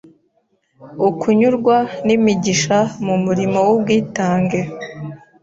Ukunyurwa N’imigisha Mu Murimo W’ubwitange